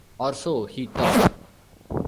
Or so he thought.